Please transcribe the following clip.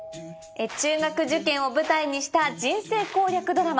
中学受験を舞台にした人生攻略ドラマ。